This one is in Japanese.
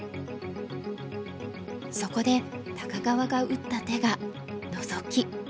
そこで高川が打った手がノゾキ。